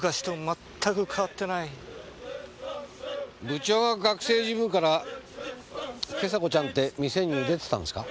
部長が学生時分から今朝子ちゃんって店に出てたんですか？